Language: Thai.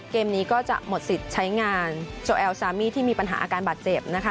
เกมนี้ก็จะหมดสิทธิ์ใช้งานโจแอลซามีที่มีปัญหาอาการบาดเจ็บนะคะ